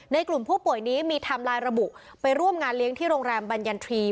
กลุ่มผู้ป่วยนี้มีไทม์ไลน์ระบุไปร่วมงานเลี้ยงที่โรงแรมบรรยันทรีย์